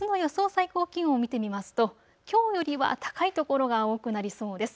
最高気温を見てみますと、きょうよりは高い所が多くなりそうです。